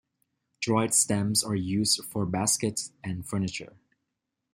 Dried stems are used for baskets and furniture.